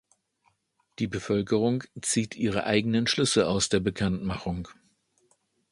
Die Bevölkerung zieht ihre eigenen Schlüsse aus der Bekanntmachung.